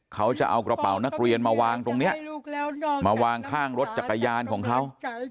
เขาจะเอากระเป๋านักเรียนมาวางตรงนี้มาวางข้างรถจักรยานของเขา